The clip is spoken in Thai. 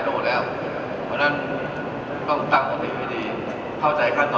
แต่แทนยังไงพวกเขาไม่ถัดใจหรอก